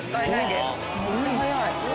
めっちゃ早い。